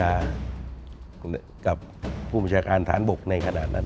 กับผู้บัญชาการฐานบกในขณะนั้น